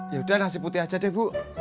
ya udah nasi putih aja deh bu